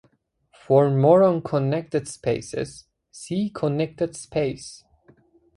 For more on connected spaces, see Connected space.